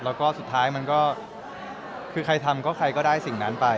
แล้วก็สุดท้ายมันก็คือใครทำก็ใครก็ได้สิ่งนั้นไป